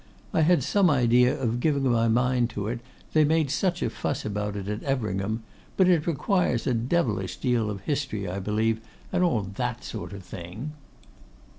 I had some idea of giving my mind to it, they made such a fuss about it at Everingham; but it requires a devilish deal of history, I believe, and all that sort of thing.